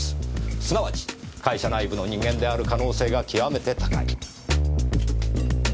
すなわち会社内部の人間である可能性が極めて高い。